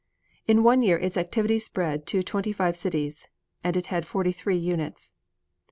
In one year its activities spread to twenty five cities, and it had forty three units.